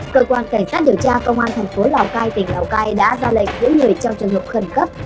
cơ quan cảnh sát điều tra công an thành phố lào cai tỉnh lào cai đã ra lệnh giữ người trong trường hợp khẩn cấp